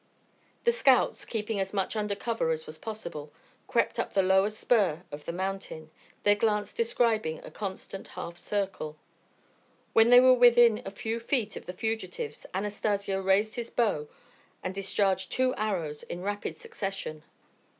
The scouts, keeping as much under cover as was possible, crept up the lower spur of the mountain, their glance describing a constant half circle. When they were within a few feet of the fugitives, Anastacio raised his bow and discharged two arrows in rapid succession.